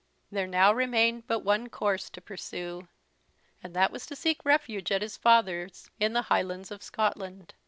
There now remained but one course to pursue; and that was to seek refuge at his father's, in the Highlands of Scotland.